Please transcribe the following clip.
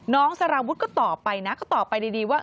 สารวุฒิก็ตอบไปนะก็ตอบไปดีว่า